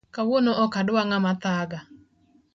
Kawuono ok adwa ngama thaga